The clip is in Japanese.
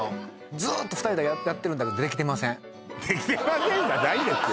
ずーっと２人でやってるんだけどできてませんじゃないですよ